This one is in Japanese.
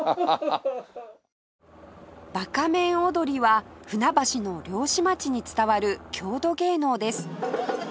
ばか面踊りは船橋の漁師町に伝わる郷土芸能です